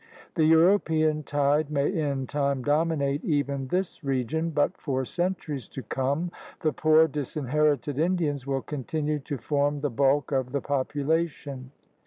The Euro pean tide may in time dominate even this region, but for centuries to come the poor, disinherited Indians will continue to form the bulk of the popu lation.